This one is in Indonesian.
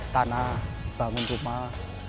tanah bangun rumah